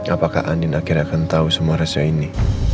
apakah andin akhirnya akan tau semua rahasia ini